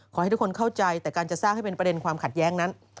ขอให้ทุกคนเข้าใจแต่การจะสร้างให้เป็นประเด็นความขัดแย้งนั้น